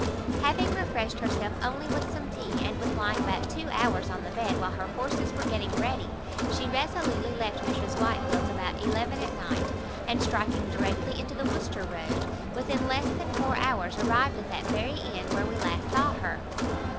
Having refreshed herself only with some tea, and with lying about two hours on the bed, while her horses were getting ready, she resolutely left Mrs Whitefield's about eleven at night, and, striking directly into the Worcester road, within less than four hours arrived at that very inn where we last saw her.